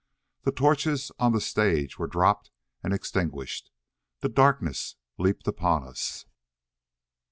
The torches on the stage were dropped and extinguished. The darkness leaped upon us.